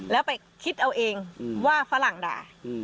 แล้วไปคิดเอาเองว่าฝรั่งด่า